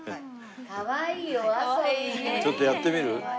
ちょっとやってみる？